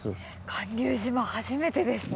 巌流島初めてですね。